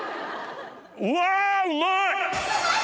うわうまい！